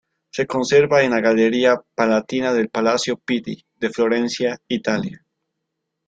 Se conserva en la Galería Palatina del Palacio Pitti de Florencia, Italia.